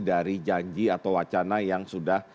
dari janji atau wacana yang sudah